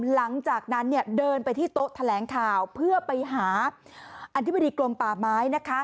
หลังจากนั้นเนี่ยเดินไปที่โต๊ะแถลงข่าวเพื่อไปหาอธิบดีกรมป่าไม้นะคะ